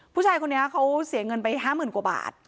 ผู้ชายคนนี้เขาเสียเงินไป๕๐๐๐กว่าบาท